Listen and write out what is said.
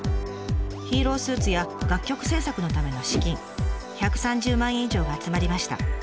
ヒーロースーツや楽曲制作のための資金１３０万円以上が集まりました。